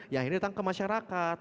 ya akhirnya datang ke masyarakat